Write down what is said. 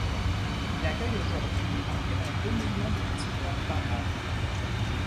Il accueille aujourd'hui environ deux millions de visiteurs par an.